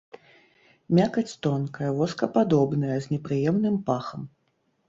Мякаць тонкая, воскападобная, з непрыемным пахам.